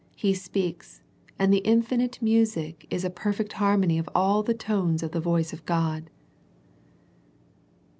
He speaks, and the infinite music is a perfect harmony of all the tones of the voice of God.